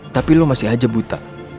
tapi lo masih aja buta